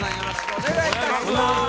お願いします